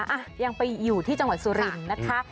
อ่ะยังไปอยู่ที่จังหวัดสุรินทร์นะคะ